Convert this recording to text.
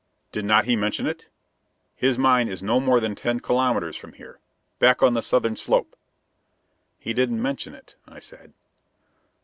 Did not he mention it? His mine is no more than ten kilometers from here back on the southern slope." "He didn't mention it," I said.